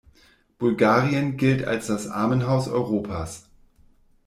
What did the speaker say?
Bulgarien gilt als das Armenhaus Europas.